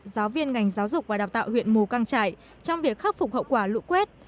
giáo viên ngành giáo dục và đào tạo huyện mù căng trải trong việc khắc phục hậu quả lũ quét